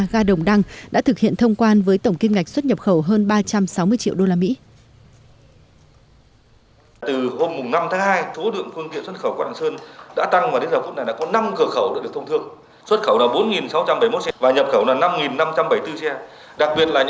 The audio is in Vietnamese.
ga đồng đăng đã thực hiện thông quan với tổng kinh ngạch xuất nhập khẩu hơn ba trăm sáu mươi triệu usd